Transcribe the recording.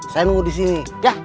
saya nunggu di sini